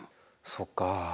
そっかあ。